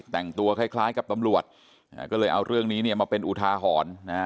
แต่งตัวคล้ายกับตำรวจก็เลยเอาเรื่องนี้เนี่ยมาเป็นอุทาหรณ์นะฮะ